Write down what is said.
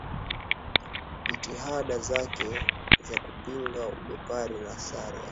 Jitihada zake za kupinga ubepari na Sera za Fidel Castro